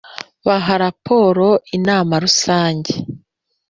baha raporo inama rusange